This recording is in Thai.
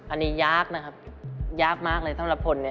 อันนี้ยากนะครับยากมากเลยสำหรับผลเนี่ย